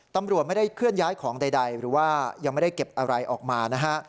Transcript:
ตำรวจไม่ได้เคลื่อนย้ายของใดหรือว่ายังไม่ได้เก็บอะไรออกมานะฮะ